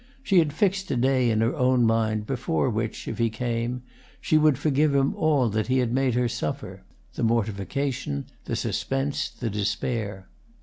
She had fixed a day in her own mind before which, if he came, she would forgive him all he had made her suffer: the mortification, the suspense, the despair.